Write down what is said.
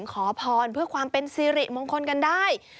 ขอพรเพื่อความเป็นสิริมงคลกันได้